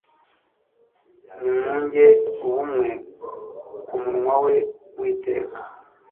Nimwunge ubumwe ku munwa we witeka